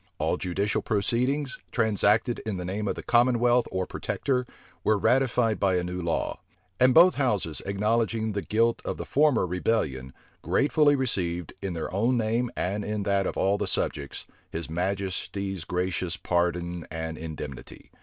All judicial proceedings, transacted in the name of the commonwealth or protector, were ratified by a new law. And both houses, acknowledging the guilt of the former rebellion, gratefully received, in their own name, and in that of all the subjects, his majesty's gracious pardon and indemnity.